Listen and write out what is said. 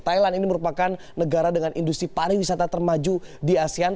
thailand ini merupakan negara dengan industri pariwisata termaju di asean